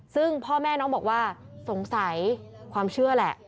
ซึ่งพ่อแม่น้องบอกว่าสงสัยความเชื่อแหละ